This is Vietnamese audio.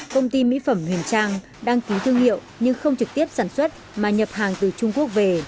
công ty mỹ phẩm huyền trang đăng ký thương hiệu nhưng không trực tiếp sản xuất mà nhập hàng từ trung quốc về